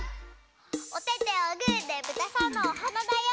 おててをグーでぶたさんのおはなだよ。